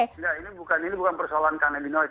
ini bukan persoalan kanabinol